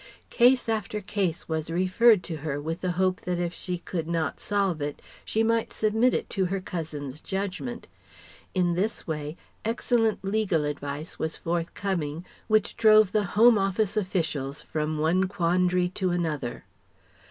Case after case was referred to her with the hope that if she could not solve it, she might submit it to her cousin's judgment. In this way, excellent legal advice was forthcoming which drove the Home Office officials from one quandary to another.